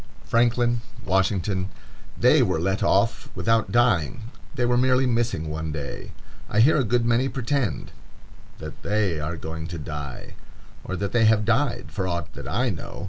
Franklin,—Washington,—they were let off without dying; they were merely missing one day. I hear a good many pretend that they are going to die; or that they have died, for aught that I know.